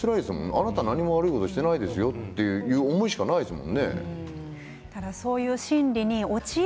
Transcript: あなたは何も悪いことをしていないですよという思いしかないですよね。